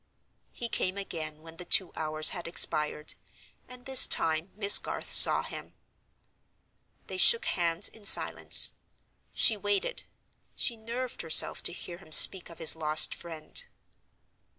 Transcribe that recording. He came again, when the two hours had expired; and this time Miss Garth saw him. They shook hands in silence. She waited; she nerved herself to hear him speak of his lost friend.